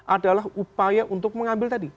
adalah upaya untuk mengambil tadi